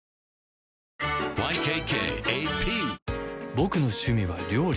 ボクの趣味は料理